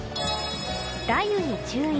雷雨に注意。